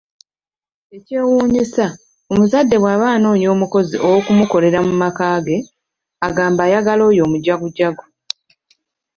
Ekyewuunyisa, omuzadde bwaba anoonya omukozi ow'okumukolera mu maka ge agamba ayagala oyo omujagujagu